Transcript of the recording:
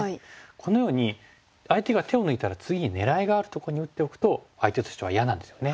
このように相手が手を抜いたら次に狙いがあるところに打っておくと相手としては嫌なんですよね。